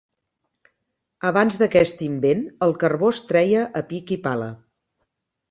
Abans d’aquest invent, el carbó es treia a pic i pala.